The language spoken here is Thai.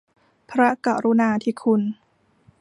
พระกรุณาธิคุณ